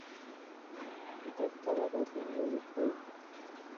د تبه بدلون ولیکئ.